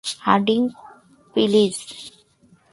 Hardinge, please.